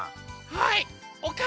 はい！